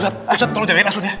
ustadz tolong jagain asun ya